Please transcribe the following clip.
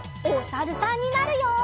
おさるさんになるよ！